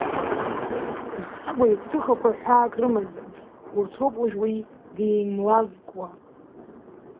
Жагәа игәҭыхақәа ҳәаак рымаӡам, урҭ роуп уажә уи деимлазкуа.